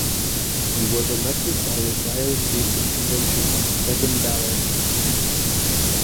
He was elected by the diocesan convention on the second ballot.